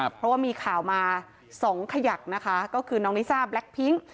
เพราะว่ามีข่าวมาสองขยักนะคะก็คือน้องลิซ่าแล็คพิ้ง